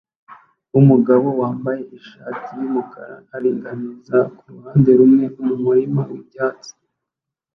Umugabo wambaye ishati yumukara aringaniza kuruhande rumwe mumurima wibyatsi